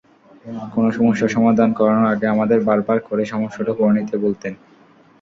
কোনো সমস্যার সমাধান করানোর আগে আমাদের বারবার করে সমস্যাটা পড়ে নিতে বলতেন।